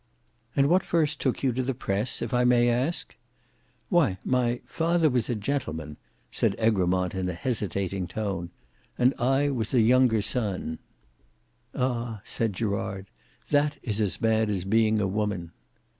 "And what first took you to the press, if I may ask!" "Why—my father was a gentleman—", said Egremont in a hesitating tone, "and I was a younger son." "Ah!" said Gerard, "that is as bad as being a woman."